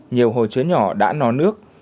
nhiều hồ chứa nhỏ đã nó nước